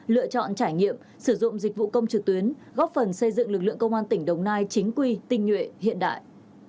lựa chọn trải nghiệm sử dụng dịch vụ công trực tuyến góp phần xây dựng lực lượng công an tỉnh đồng nai chính quy tinh nhuệ hiện đại